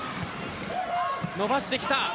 伸ばしてきた。